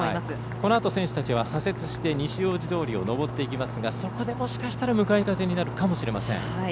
このあと選手たちは左折して西大路通を上っていきますがそこで、もしかしたら向かい風になるかもしれません。